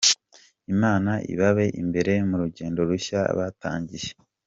Imana ibabe imbere mu rugendo rushya batangiye.